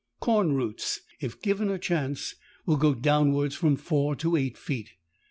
Corn roots if given a chance will go downwards from four to eight feet.